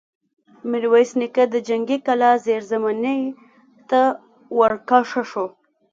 ميرويس نيکه د جنګي کلا زېرزميني ته ور کښه شو.